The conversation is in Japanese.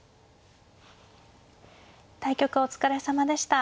対局お疲れさまでした。